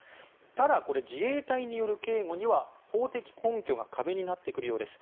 ただ、自衛隊による警護には法的根拠が壁になってくるようです。